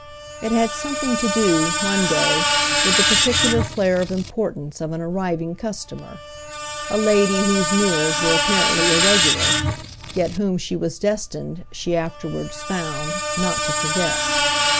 It had something to do, one day, with the particular flare of importance of an arriving customer, a lady whose meals were apparently irregular, yet whom she was destined, she afterwards found, not to forget.